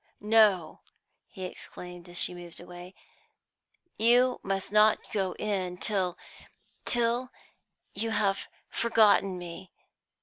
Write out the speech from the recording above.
"No," he exclaimed as she moved away, "you must not go in till till you have forgotten me.